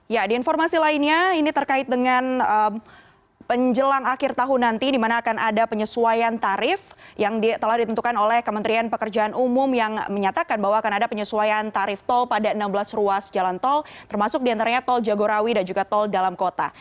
ya di informasi lainnya ini terkait dengan penjelang akhir tahun nanti di mana akan ada penyesuaian tarif yang telah ditentukan oleh kementerian pekerjaan umum yang menyatakan bahwa akan ada penyesuaian tarif tol pada enam belas ruas jalan tol termasuk diantaranya tol jagorawi dan juga tol dalam kota